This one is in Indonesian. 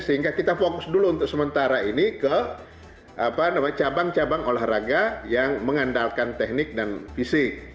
sehingga kita fokus dulu untuk sementara ini ke cabang cabang olahraga yang mengandalkan teknik dan fisik